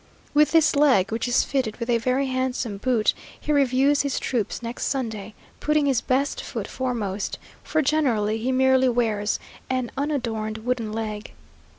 With this leg, which is fitted with a very handsome boot, he reviews his troops next Sunday, putting his best foot foremost; for generally he merely wears an unadorned wooden leg.